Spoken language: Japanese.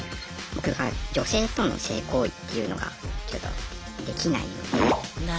僕が女性との性行為っていうのがちょっとできないので。